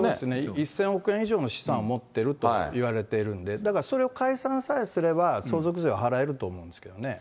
１０００億円以上の資産を持ってるといわれているんで、ただそれを解散さえすれば相続税は払えると思うんですけどね。